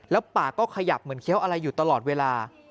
แล้วปากก็ขยับเหมือนเคี้ยวอะไรอยู่ตลอดเวลา